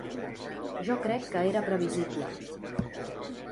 Jo crec que era previsible.